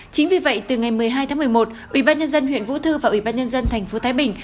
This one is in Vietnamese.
chính vì vậy từ ngày một mươi hai một mươi một ủy ban nhân dân huyện vũ thư và ủy ban nhân dân thành phố thái bình